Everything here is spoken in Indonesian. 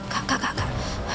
gak gak gak